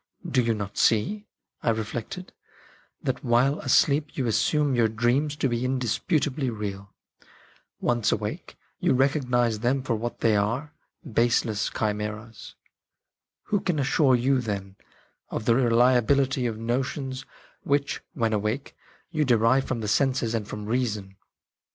" Do you not see," I reflected, " that while asleep you assume your dreams to be indisputably real ? Once awake, you recognise them for what they are — baseless chimeras. Who can assure you, then, of the reliability of notions which, when awake, you derive from the senses and from reason